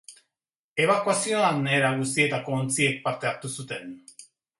Ebakuazioan era guztietako ontziek parte hartu zuten.